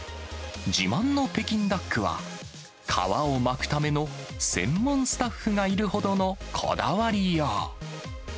自慢の北京ダックは、皮を巻くための専門スタッフがいるほどのこだわりよう。